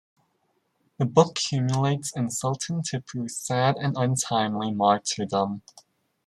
The book culminates in Sultan Tipu's sad and untimely martyrdom.